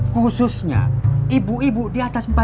khususnya ibu ibu diantara